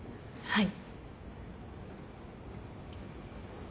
はい。